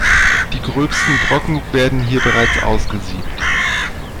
Die gröbsten Brocken werden hier bereits ausgesiebt.